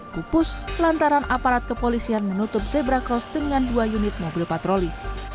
pupus lantaran aparat kepolisian menutup zebra cross dengan dua unit mobil patroli